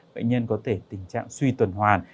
bệnh nhân có thể tình trạng suy tuần hoàn